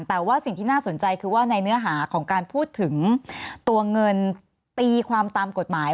แต่ว่าสิ่งที่น่าสนใจคือว่าในเนื้อหาของการพูดถึงตัวเงินตีความตามกฎหมาย